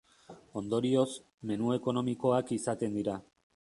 Ondorioz, menu ekonomikoak izaten dira.